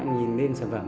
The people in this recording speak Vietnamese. nhìn lên sản phẩm